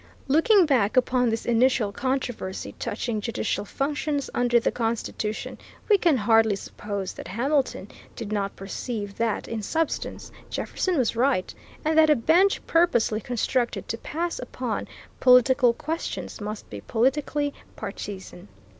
Looking back upon this initial controversy touching judicial functions under the Constitution, we can hardly suppose that Hamilton did not perceive that, in substance, Jefferson was right, and that a bench purposely constructed to pass upon political questions must be politically partisan.